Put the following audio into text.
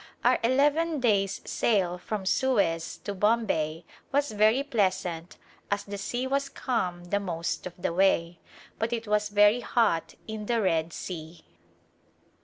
Our eleven days' sail from Suez to Bombay was very pleasant as the sea was calm the most of the way, but it was very hot in the Red Sea.